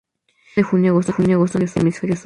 Florece de junio a agosto en el hemisferio sur.